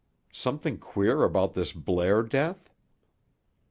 "Something queer about this Blair death?"